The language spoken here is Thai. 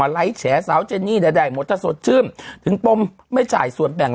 ลองจ่าย